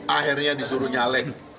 akhirnya disuruh nyalek